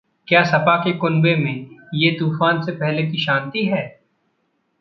क्या सपा के कुनबे में ये तूफान से पहले की शांति है?